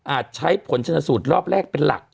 ใช้ผลชนสูตรรอบแรกเป็นหลัก